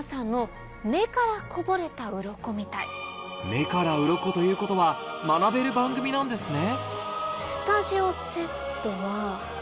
目からウロコということは学べる番組なんですね